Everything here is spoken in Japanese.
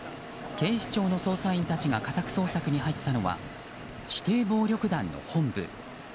警視庁の捜査員たちが家宅捜索に入ったのは指定暴力団の本部。